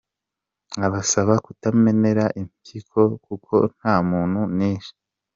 nkabasaba kutamenera impyiko kuko nta muntu nishe.